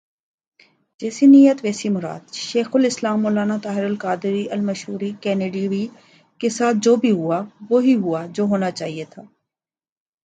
جیسی نیت ویسی مراد ، شیخ الاسلام مولانا طاہرالقادری المشور کینڈیوی کے ساتھ بھی جو ہوا ، وہی ہوا ، جو ہونا چاہئے تھا ۔